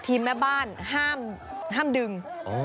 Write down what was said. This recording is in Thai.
แม่บ้านห้ามดึง